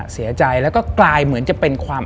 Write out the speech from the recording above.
เสียใจและก็กลายเป็นความ